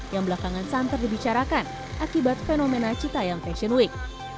yang belakangan santar dibicarakan akibat fenomena citaiam fashion week